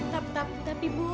tapi tapi tapi bu